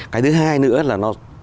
cái thứ hai nữa là nó